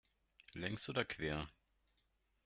Längs oder quer?